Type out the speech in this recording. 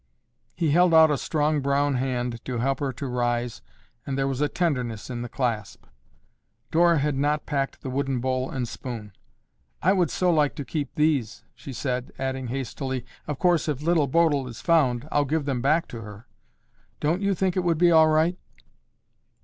He held out a strong brown hand to help her to rise and there was a tenderness in the clasp. Dora had not packed the wooden bowl and spoon. "I would so like to keep these," she said, adding hastily, "Of course, if Little Bodil is found, I'll give them back to her. Don't you think it would be all right?"